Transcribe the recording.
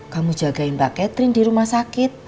kamu jagain pak catherine di rumah sakit